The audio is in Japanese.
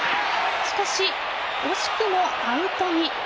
しかし惜しくもアウトに。